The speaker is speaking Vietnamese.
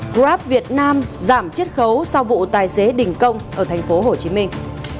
grab việt nam giảm chiết khấu sau vụ tài xế đình công ở thành phố hồ chí minh